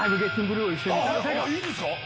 ’Ｂいいんですか？